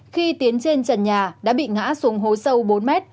khi tiến trên trần nhà đã bị ngã xuống hố sâu bốn mét